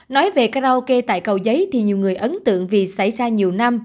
nói về karaoke tại cầu giấy thì nhiều người ấn tượng vì xảy ra nhiều năm